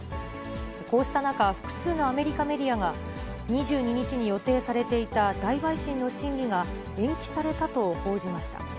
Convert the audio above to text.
こうした中、複数のアメリカメディアが、２２日に予定されていた大陪審の審理が延期されたと報じました。